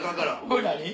これ何？